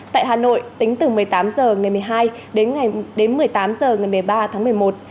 tại hà nội tính từ một mươi tám h ngày một mươi hai đến một mươi tám h ngày một mươi ba tháng một mươi một